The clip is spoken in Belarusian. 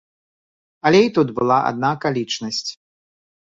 Але і тут была адна акалічнасць.